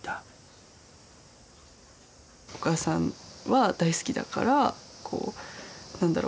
お母さんは大好きだからこう何だろう